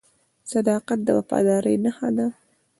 • صداقت د وفادارۍ نښه ده.